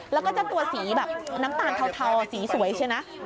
แล้วก็เจ้าตัวสีแบบน้ำตาลเทาสีสวยใช่ไหม